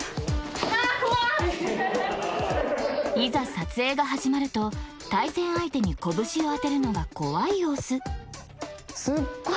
いざ撮影が始まると対戦相手に拳を当てるのが怖い様子